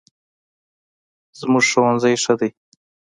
زموږ ښوونځی ښه دی